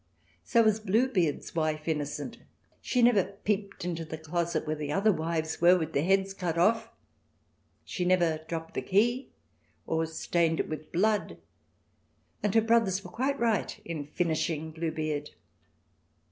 So was Bluebeard's wife innocent. She never peeped into the closet where the other wives were with their heads cut off. She never dropped the key, or stained it with blood, and her brothers were quite right in finishing Bluebeard.